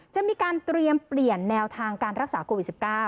จะมีการเตรียมเปลี่ยนแนวทางการรักษาโควิด๑๙